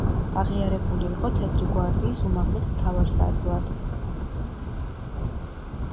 აღიარებული იყო თეთრი გვარდიის უმაღლეს მთავარსარდლად.